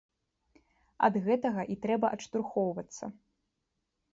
Ад гэтага і трэба адштурхоўвацца.